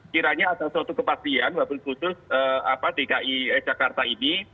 kiranya ada suatu kekepatian bahwa khusus dki jakarta ini